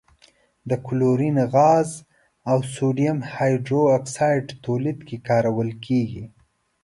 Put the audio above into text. د کلورین غاز او سوډیم هایدرو اکسایډ تولید کې کارول کیږي.